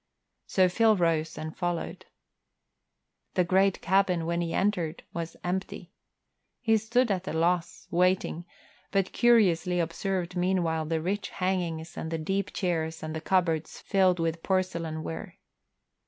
So Phil rose and followed. The great cabin, when he entered, was empty. He stood at loss, waiting, but curiously observed meanwhile the rich hangings and the deep chairs and the cupboards filled with porcelain ware.